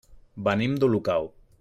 Venim d'Olocau.